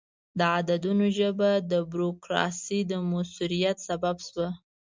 د عددونو ژبه د بروکراسي د موثریت سبب شوه.